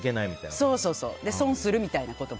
それで損するみたいなことも。